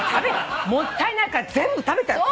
もったいないから全部食べた。